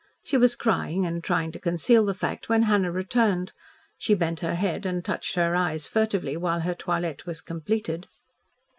She was crying and trying to conceal the fact when Hannah returned. She bent her head and touched her eyes furtively while her toilette was completed.